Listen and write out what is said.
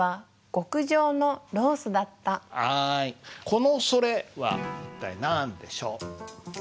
この「それ」は一体何でしょう？